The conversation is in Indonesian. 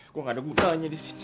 gue gak ada gunanya disini